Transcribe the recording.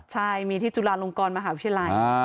ใช่มีที่จุฬาลงกรมหาวิทยาลัย